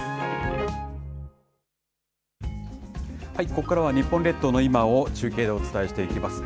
ここからは日本列島の今を中継でお伝えしていきます。